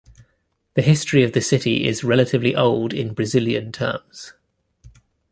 The history of the city is relatively old in Brazilian terms.